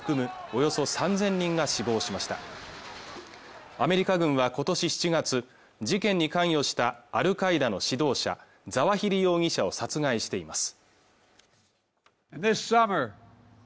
およそ３０００人が死亡しましたアメリカ軍はことし７月事件に関与したアルカイダの指導者ザワヒリ容疑者を殺害しています